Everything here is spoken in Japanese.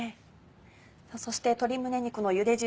そして鶏胸肉のゆで汁。